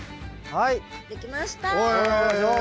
はい。